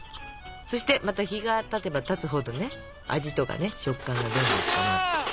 そしてまた日がたてばたつほどね味とかね食感がどんどん深まっていく。